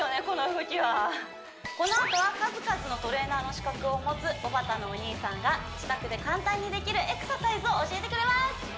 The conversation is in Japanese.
この動きはこのあとは数々のトレーナーの資格を持つおばたのお兄さんが自宅で簡単にできるエクササイズを教えてくれます！